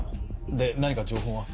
で何か情報は？